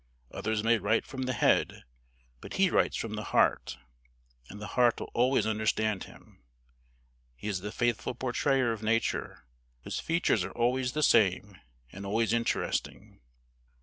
Others may write from the head, but he writes from the heart, and the heart will always understand him. He is the faithful portrayer of Nature, whose features are always the same and always interesting.